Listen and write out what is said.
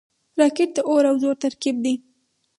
راکټ د اور او زور ترکیب دی